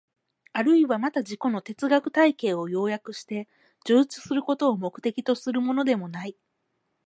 あるいはまた自己の哲学体系を要約して叙述することを目的とするものでもない。